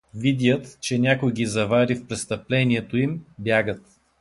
Видят, че някой ги завари в престъплението им, бягат.